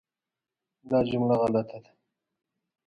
دې لیکنې د برټانیې سیاستمدار را نقلوي.